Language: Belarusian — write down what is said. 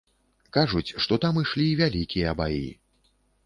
Кажуць, што там ішлі вялікія баі.